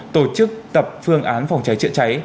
tổ chức tập phương án phòng cháy chữa cháy